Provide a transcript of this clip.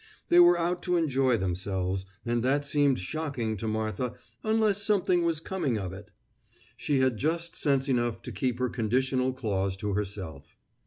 They were out to enjoy themselves, and that seemed shocking to Martha "unless something was coming of it." She had just sense enough to keep her conditional clause to herself.